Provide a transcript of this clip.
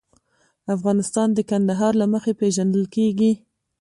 افغانستان د کندهار له مخې پېژندل کېږي.